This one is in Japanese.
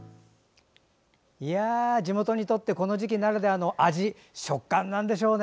地元にとってこの時期ならではの味、食感なんでしょうね。